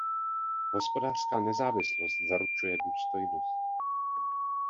Hospodářská nezávislost zaručuje důstojnost.